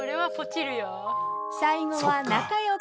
［最後は仲良く］